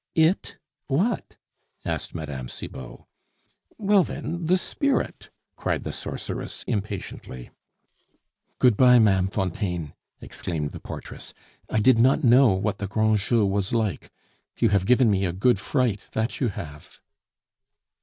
"It, what?" asked Mme. Cibot. "Well, then, the Spirit!" cried the sorceress impatiently. "Good bye, Ma'am Fontaine," exclaimed the portress. "I did not know what the grand jeu was like. You have given me a good fright, that you have."